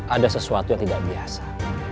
ada sesuatu yang tidak biasa